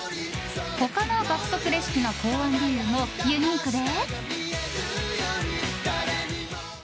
他の爆速レシピの考案理由もユニークで。